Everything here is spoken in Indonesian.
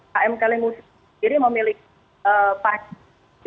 km kalimun jawa sendiri memiliki